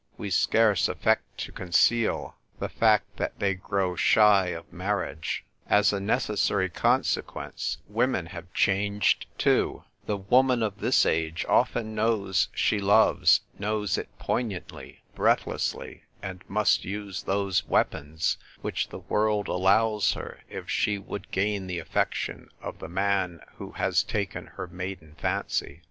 We scarce affect to conceal the fact that they grow shy of marriage. As a necessary consequence, women have changed too ; the woman of this age often knows she loves, knows it poig nantly, breathlessly, and must use those weapons which the world allows her if she would gain the affection of the man who has taken her maiden fancy.